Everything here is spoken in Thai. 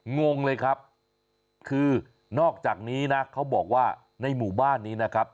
งงเลยครับคือนอกจากนี้นะเขาบอกว่าในหมู่บ้านนี้นะครับ